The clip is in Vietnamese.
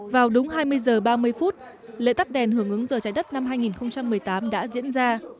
vào đúng hai mươi h ba mươi phút lễ tắt đèn hưởng ứng giờ trái đất năm hai nghìn một mươi tám đã diễn ra